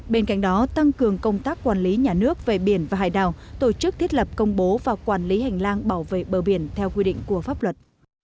bên cạnh đó tăng cường công tác quản lý nhà nước về biển và hải đảo tổ chức thiết lập công bố và quản lý hành lang bảo vệ bờ biển theo quy định của pháp luật